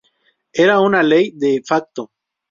Era una ley de facto.